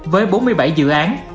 với bốn mươi bảy dự án